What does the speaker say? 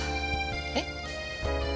えっ？